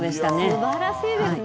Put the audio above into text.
すばらしいですね。